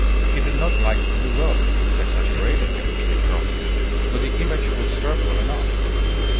"He did not like to be robbed. It exasperated him," said Charles Gould. "But the image will serve well enough.